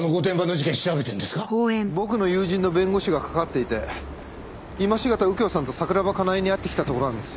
僕の友人の弁護士が関わっていて今しがた右京さんと桜庭かなえに会ってきたところなんです。